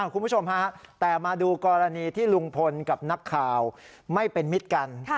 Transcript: คุณผู้ชมฮะแต่มาดูกรณีที่ลุงพลกับนักข่าวไม่เป็นมิตรกัน